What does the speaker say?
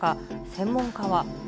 専門家は。